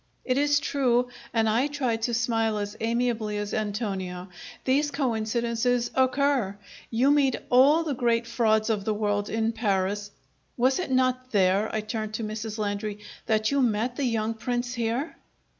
"It is true," and I tried to smile as amiably as Antonio. "These coincidences occur. You meet all the great frauds of the world in Paris. Was it not there" I turned to Mrs. Landry "that you met the young Prince here?"